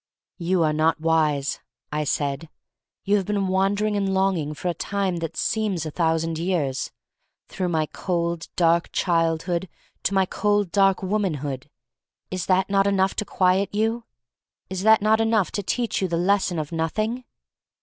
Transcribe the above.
"You are not wise," I said. "You have been wandering and longing for a 212 THE STORY OF MARY MAC LANE time that seems a thousand years — through my cold, dark childhood to my cold, dark womanhood. Is that not enough to quiet you? Is that not enough to teach you the lesson of Nothing?